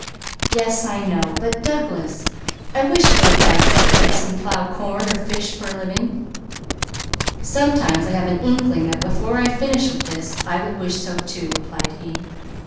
"Yes I know, but Douglas, I wish you would buy this place and plow corn, or fish for a living." "Sometimes I have an inkling that before I finish with this I shall wish so too," replied he.